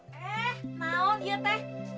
eh mau nih ya teh